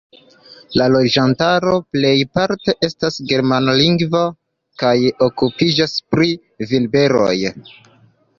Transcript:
La loĝantaro plejparte estas germanlingva kaj okupiĝas pri vinberoj.